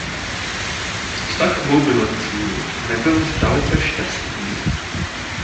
Vztah obou milenců nebyl zdaleka šťastný.